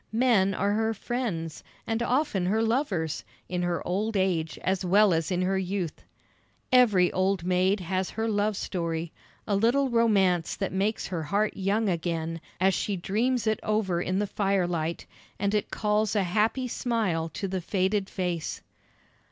Men are her friends, and often her lovers, in her old age as well as in her youth. Every old maid has her love story, a little romance that makes her heart young again as she dreams it over in the firelight, and it calls a happy smile to the faded face.